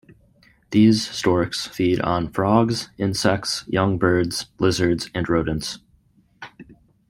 These storks feed on frogs, insects, young birds, lizards and rodents.